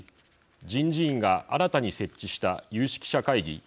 人事院が新たに設置した有識者会議